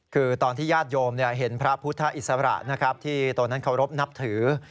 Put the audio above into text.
คือตอนที่ญาติโยมเห็นพระพุทธอิสระนะครับที่ตอนนั้นเคารพนับถือ